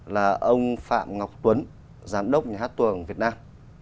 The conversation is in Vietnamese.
là ông phạm ngọc tuấn giám đốc nhà hát tuồng việt nam